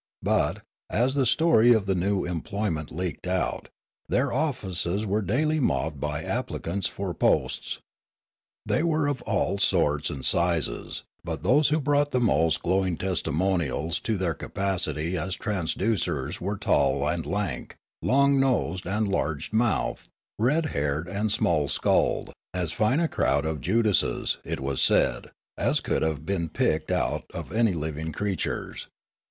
But, as the story of the new employ ment leaked out, their offices were daily mobbed by applicants for posts. They were of all sorts and sizes ; but those who brought the most glowing testimonials to their capacity as traducers were tall and lank, long nosed and large mouthed, red haired and small skulled — as fine a crowd of Judases, it was said, as could have been picked out of living creatures.